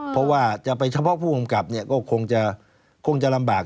เพราะว่าจะไปเฉพาะผู้กำกับก็คงจะลำบาก